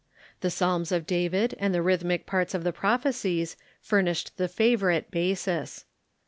The Psalms of David and the rhythmic parts of the prophecies furnished the favorite basis.